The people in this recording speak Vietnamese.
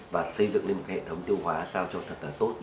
và xây dựng lên một hệ thống tiêu hóa sao cho thật là tốt